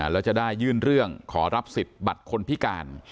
แล้วจะได้ยื่นเรื่องขอรับสิทธิ์บัตรคนพิการ